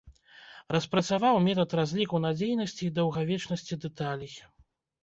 Распрацаваў метад разліку надзейнасці і даўгавечнасці дэталей.